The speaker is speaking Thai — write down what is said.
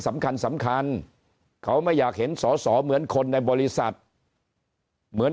สำคัญสำคัญเขาไม่อยากเห็นสอสอเหมือนคนในบริษัทเหมือน